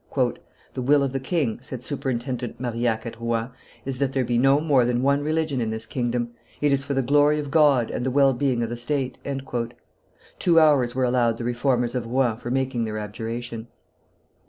"The will of the king," said superintendent Marillac at Rouen, "is, that there be no more than one religion in this kingdom; it is for the glory of God and the well being of the state." Two hours were allowed the Reformers of Rouen for making their abjuration.